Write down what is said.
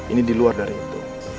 ini diluar dari itu